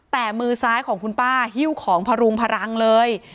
แต่มือซ้ายของคุณป้าหิ้วของพรุงพลังเลย